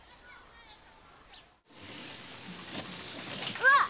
うわっ！